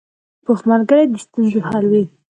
پوخ ملګری د ستونزو حل وي